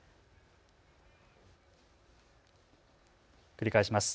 繰り返します。